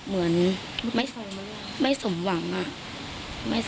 ไม่สมหวังก็